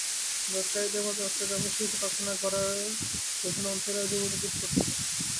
ব্যবসায়ীদের মতে, চট্টগ্রামে শিল্পকারখানা গড়ার প্রধান অন্তরায় জমির দুষ্প্রাপ্যতা।